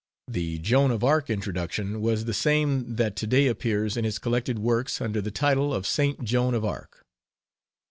The Joan of Arc introduction was the same that today appears in his collected works under the title of Saint Joan of Arc.